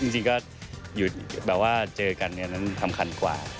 จริงก็หยุดแบบว่าเจอกันนั้นทำคันกว่า